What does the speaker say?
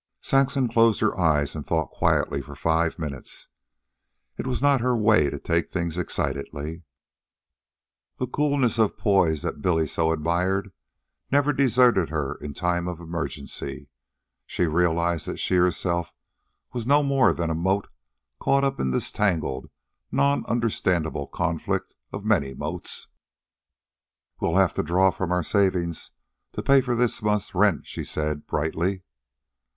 Saxon closed her eyes and thought quietly for five minutes. It was not her way to take things excitedly. The coolness of poise that Billy so admired never deserted her in time of emergency. She realized that she herself was no more than a mote caught up in this tangled, nonunderstandable conflict of many motes. "We'll have to draw from our savings to pay for this month's rent," she said brightly.